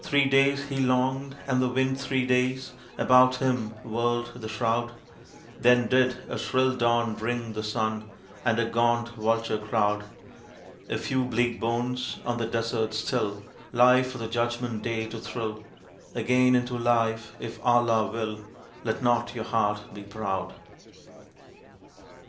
Three days he longed, and the wind three days About him whirled the shroud. Then did a shrill dawn bring the sun And a gaunt vulture crowd. A few bleak bones on the Desert still Lie for the Judgment Day to thrill Again into life if Allah will: _Let not your heart be proud.